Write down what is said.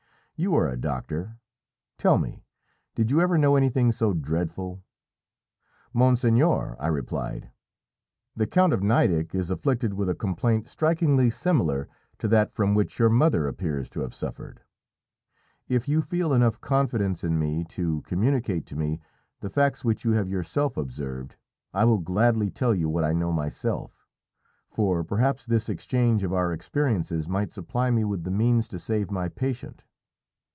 You are a doctor; tell me, did you ever know anything so dreadful?" "Monseigneur," I replied, "the Count of Nideck is afflicted with a complaint strikingly similar to that from which your mother appears to have suffered. If you feel enough confidence in me to communicate to me the facts which you have yourself observed, I will gladly tell you what I know myself; for perhaps this exchange of our experiences might supply me with the means to save my patient."